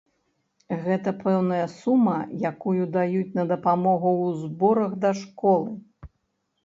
Гэта пэўная сума, якую даюць на дапамогу ў зборах да школы.